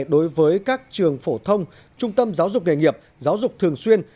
đối với các trường phổ thông trung tâm giáo dục nghề nghiệp giáo dục thường xuyên